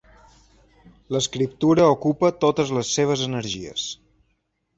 L'escriptura ocupa totes les seves energies.